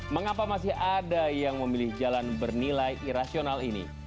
mengapa masih ada yang memilih jalan bernilai irasional ini